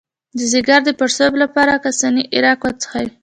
د ځیګر د پړسوب لپاره د کاسني عرق وڅښئ